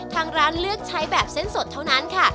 ทางร้านเลือกใช้แบบเส้นสดเท่านั้นค่ะ